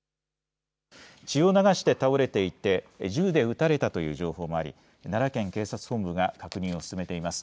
血を流して倒れていて銃で撃たれたという情報もあり奈良県警察本部が確認を進めています。